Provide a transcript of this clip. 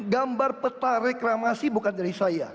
gambar peta reklamasi bukan dari saya